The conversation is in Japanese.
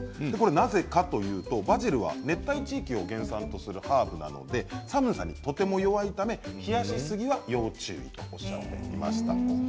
なぜかというとバジルは熱帯地域を原産とするハーブなので寒さにとても弱いため冷やしすぎは要注意とおっしゃっていました。